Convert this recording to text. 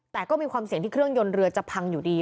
แต่ก็มีความเสี่ยงที่เครื่องยนต์เรือจะพังอยู่ดี